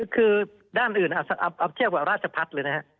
คือด้านอื่นอัพเทียบกับราชพัฒน์เลยนะครับ